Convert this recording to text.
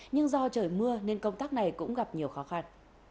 nhưng do trời mưa nên công tác này cũng gặp nhiều khó khăn